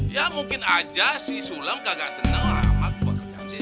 ya mungkin aja si sulam kagak seneng sama buat yang si ojo